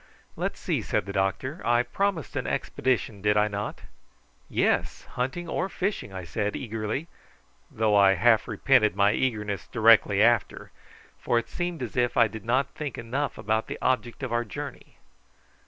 "Let's see," said the doctor. "I promised an expedition did I not?" "Yes: hunting or fishing," I said eagerly, though I half repented my eagerness directly after, for it seemed as if I did not think enough about the object of our journey.